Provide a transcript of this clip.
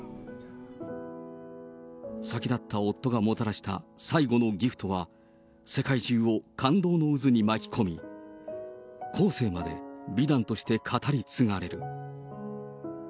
先立った夫がもたらした最後のギフトは、世界中を感動の渦に巻き込み、後世まで美談として語り継がれる。